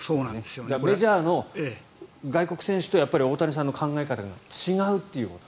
メジャーの外国選手と大谷さんの考え方が違うという。